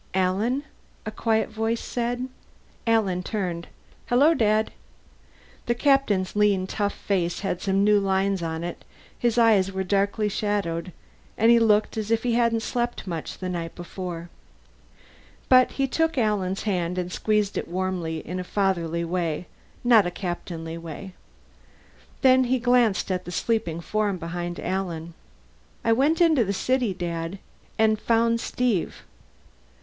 "Alan?" a quiet voice said. Alan turned. "Hello, Dad." The Captain's lean, tough face had some new lines on it; his eyes were darkly shadowed, and he looked as if he hadn't slept much the night before. But he took Alan's hand and squeezed it warmly in a fatherly way, not a Captainly one. Then he glanced at the sleeping form behind Alan. "I went into the city, Dad. And found Steve."